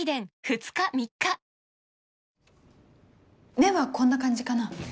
目はこんな感じかな？